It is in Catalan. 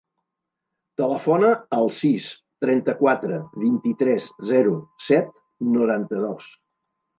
Telefona al sis, trenta-quatre, vint-i-tres, zero, set, noranta-dos.